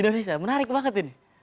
indonesia menarik banget ini